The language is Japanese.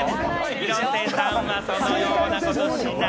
広瀬さんは、そのようなことはしない。